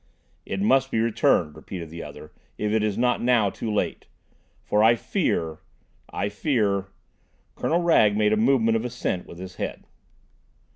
"It must be returned," repeated the other, "if it is not now too late. For I fear—I fear—" Colonel Wragge made a movement of assent with his head.